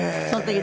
そう。